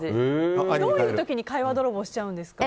どういう時に会話泥棒しちゃうんですか？